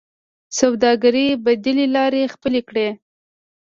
د سوداګرۍ بدیلې لارې خپلې کړئ